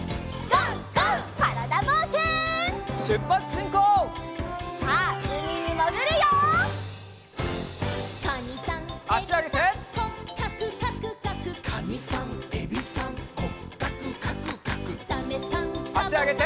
あしあげて。